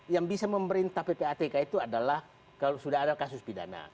yang bisa memerintah ppatk itu adalah kalau sudah ada kasus pidana